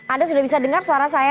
anda sudah bisa dengar suara saya